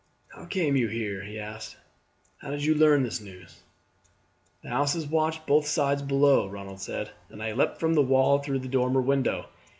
"How came you here?" he asked. "How did you learn this news?" "The house is watched both sides below," Ronald said, "and I leapt from the wall through the dormer window.